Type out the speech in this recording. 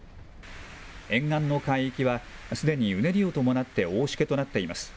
沿岸の海域はすでにうねりを伴って大しけとなっています。